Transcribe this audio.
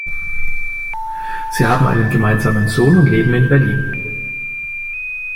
Sie haben einen gemeinsamen Sohn und leben in Berlin.